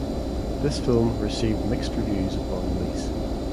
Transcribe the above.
This film received mixed reviews upon release.